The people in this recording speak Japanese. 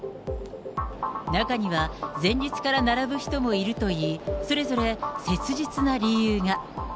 中には前日から並ぶ人もいるといい、それぞれ切実な理由が。